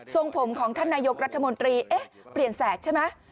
ส่งผมของท่านนายกรัฐมนตรีเอ๊ะเปลี่ยนแสกใช่ไหม